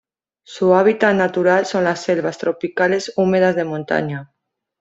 Su hábitat natural son las selvas tropicales húmedas de montaña.